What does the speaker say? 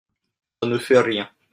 Ca ne fait rien…